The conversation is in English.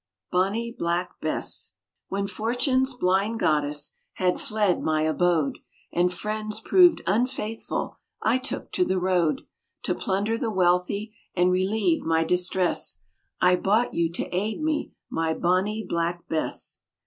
BONNIE BLACK BESS When fortune's blind goddess Had fled my abode, And friends proved unfaithful, I took to the road; To plunder the wealthy And relieve my distress, I bought you to aid me, My Bonnie Black Bess.